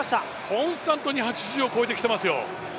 コンスタントに８０を越えてきてますよ。